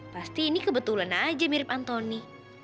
pasti ini kebetulan aja mirip anthony